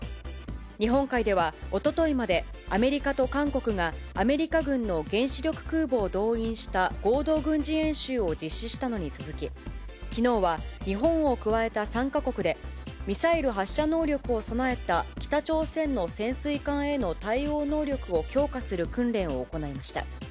日本海ではおとといまでアメリカと韓国が、アメリカ軍の原子力空母を動員した合同軍事演習を実施したのに続き、きのうは日本を加えた３か国で、ミサイル発射能力を備えた北朝鮮の潜水艦への対応能力を強化する訓練を行いました。